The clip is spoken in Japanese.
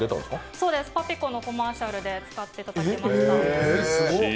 そうです、パピコのコマーシャルで使っていただきました。